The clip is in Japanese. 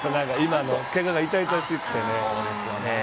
ケガが痛々しくてね。